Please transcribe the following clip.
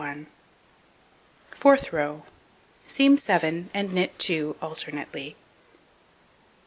Fourth row: Seam 7 and knit 2 alternately.